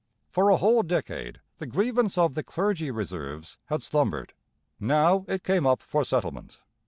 For a whole decade the grievance of the Clergy Reserves had slumbered; now it came up for settlement.